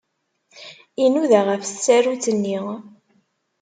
Inuda ɣef tsarut-nni.